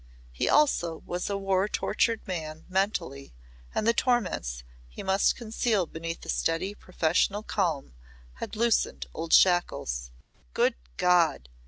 He also was a war tortured man mentally and the torments he must conceal beneath a steady professional calm had loosened old shackles. "Good God!